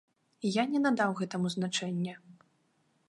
Я не надаў гэтаму значэння.